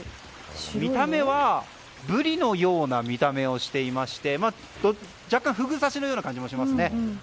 見た目は、ブリのような見た目をしていまして若干、フグ刺しのような感じもしますね。